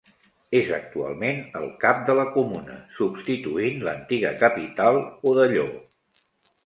És actualment el cap de la comuna, substituint l'antiga capital, Odelló.